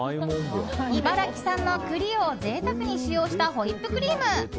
茨城県産の栗を贅沢に使用したホイップクリーム。